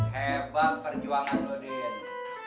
hebang perjuangan lo din